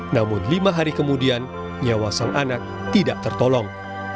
namun lima hari kemudian nyawa sang anak tidak tertolong